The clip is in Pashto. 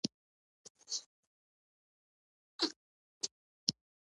ژبه د انساني اړیکو ژبه ده